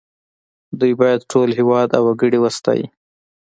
دوی باید ټول هېواد او وګړي وستايي